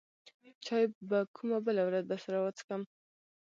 چاى به کومه بله ورځ درسره وڅکم.